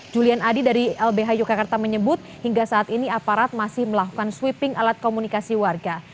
julian adi dari lbh yogyakarta menyebut hingga saat ini aparat masih melakukan sweeping alat komunikasi warga